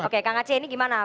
kak ngace ini gimana